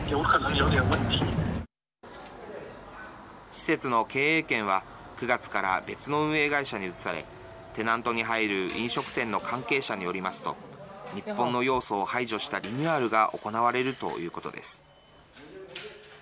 施設の経営権は９月から別の運営会社に移されテナントに入る飲食店の関係者によりますと日本の要素を排除したリニューアルが行われるということです。